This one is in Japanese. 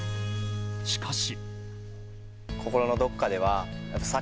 しかし。